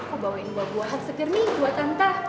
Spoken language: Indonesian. aku bawain buah buahan sepiring buat tante